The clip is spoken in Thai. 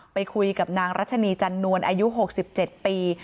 ไปคุยกับนางรัชนีจันนวลอายุ๖๗ปี